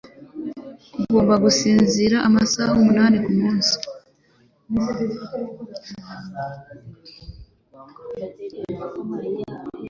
Ugomba gusinzira amasaha umunani kumunsi.